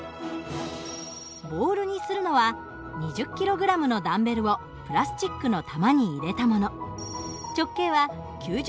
ボールにするのは２０ｋｇのダンベルをプラスチックの球に入れたもの。